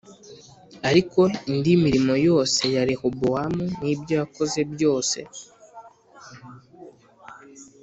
Ariko indi mirimo yose ya Rehobowamu n’ibyo yakoze byose